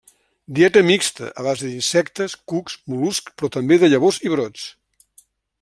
Dieta mixta, a base d'insectes, cucs, mol·luscs però també de llavors i brots.